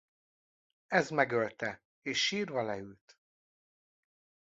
Ez megölte.’ és sírva leült.